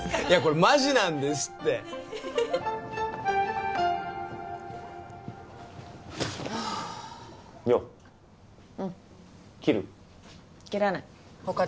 いやこれマジなんですって・へえはあ